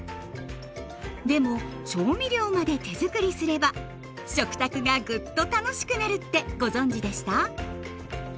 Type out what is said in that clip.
でも調味料まで手づくりすれば食卓がグッと楽しくなるってご存じでした？